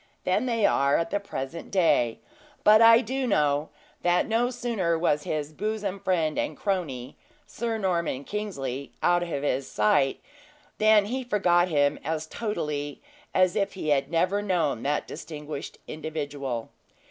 than they are at the present day; but I do know, that no sooner was his bosom friend and crony, Sir Norman Kingsley, out of sight, than he forgot him as totally as if he had never known that distinguished individual.